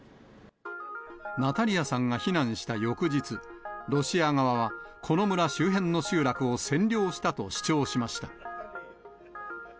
ナタリアさんが避難した翌日、ロシア側は、この村周辺の集落を占領したと主張しました。